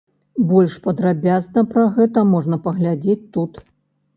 Больш падрабязна пра гэта можна паглядзець тут.